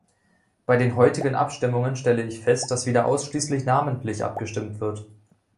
Bei den heutigen Abstimmungen stelle ich fest, dass wieder ausschließlich namentlich abgestimmt wird.